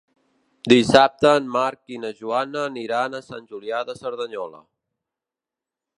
Dissabte en Marc i na Joana aniran a Sant Julià de Cerdanyola.